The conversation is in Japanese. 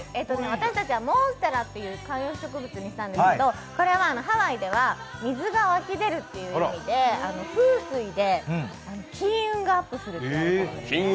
私たちはモンステラという観葉植物にしたんですけどハワイで水が湧き出るという意味で、風水で金運がアップするといわれてます。